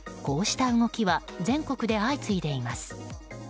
こうした動きは全国で相次いでいます。